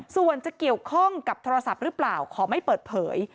ส่วนจะเกี่ยวข้องกับโทรศัพท์หรือเปล่าขอไม่เปิดเผย